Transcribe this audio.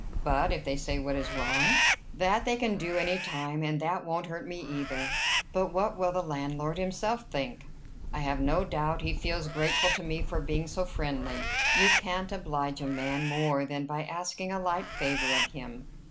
"But if they say what is wrong?" "That they can do any time, and that won't hurt me, either." "But what will the landlord himself think?" "I have no doubt he feels grateful to me for being so friendly. You can't oblige a man more than by asking a light favor of him."